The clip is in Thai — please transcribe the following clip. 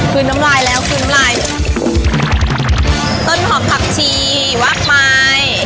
คือน้ำลายแล้วคืนน้ำลายต้นหอมผักชีวักไม้